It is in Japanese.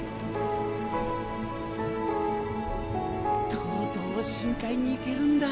とうとう深海に行けるんだ！